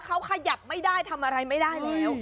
ต่อเขาขยับไม่ได้ทำอะไรไม่ได้หรือ